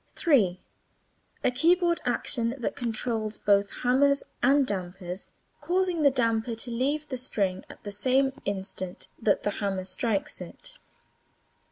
3. A keyboard action that controls both hammers and dampers, causing the damper to leave the string at the same instant that the hammer strikes it.